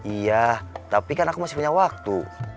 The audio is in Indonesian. iya tapi kan aku masih punya waktu